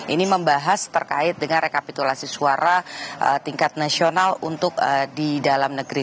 ini membahas terkait dengan rekapitulasi suara tingkat nasional untuk di dalam negeri